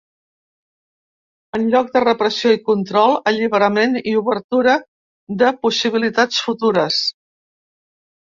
En lloc de repressió i control, alliberament i obertura de possibilitats futures.